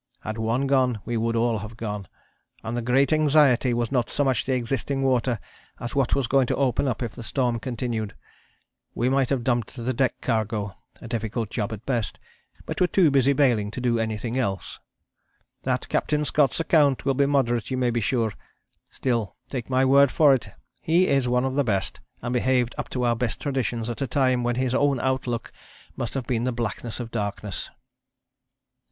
Had one gone we would all have gone, and the great anxiety was not so much the existing water as what was going to open up if the storm continued. We might have dumped the deck cargo, a difficult job at best, but were too busy baling to do anything else.... "That Captain Scott's account will be moderate you may be sure. Still, take my word for it, he is one of the best, and behaved up to our best traditions at a time when his own outlook must have been the blackness of darkness...."